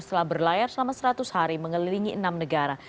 setelah berlayar selama seratus hari mengelilingi enam negara